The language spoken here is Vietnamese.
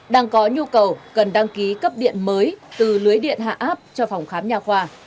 đang có nhu cầu cần đăng ký cấp điện mới từ lưới điện hạ áp cho phòng khám nhà khoa